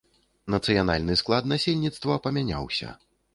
Нацыянальны склад насельніцтва памяняўся.